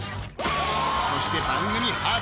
そして番組初！